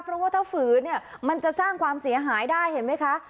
เพราะว่าถ้าฝืนเนี่ยมันจะสร้างความเสียหายได้เห็นไหมคะ